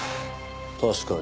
確かに。